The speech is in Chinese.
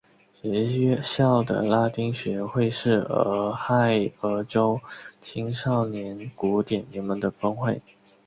学校的拉丁学会是俄亥俄州青少年古典联盟的分会。